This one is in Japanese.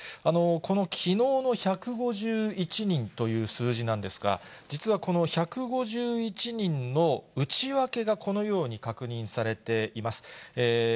このきのうの１５１人という数字なんですが、実は、この１５１人の内訳がこのように確認されています。